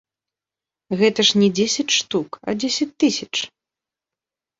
Гэта ж не дзесяць штук, а дзесяць тысяч.